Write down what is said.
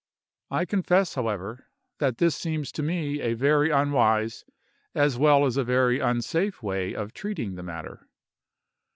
I confess, however, that this seems to me a very unwise, as well as a very unsafe way of treating the matter.